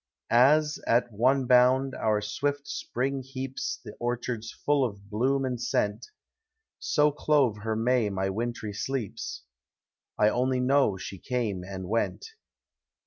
As, at one bound, our swift Spring heaps The orchards full of bloom and sceut, So clove her May my wintry sleeps; — I only know she came and weut.